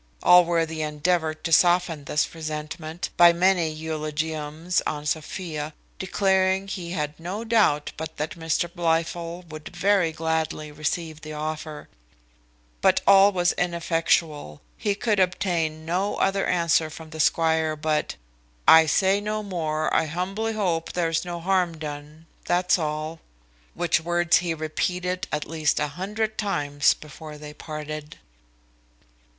Allworthy endeavoured to soften this resentment by many eulogiums on Sophia, declaring he had no doubt but that Mr Blifil would very gladly receive the offer; but all was ineffectual; he could obtain no other answer from the squire but "I say no more I humbly hope there's no harm done that's all." Which words he repeated at least a hundred times before they parted.